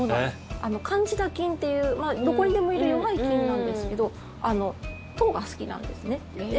カンジダ菌っていうどこにでもいる弱い菌なんですけど糖が好きなんですね。